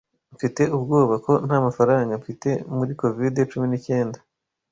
Mfite ubwoba ko ntamafaranga mfite muri covid cumi n'icyenda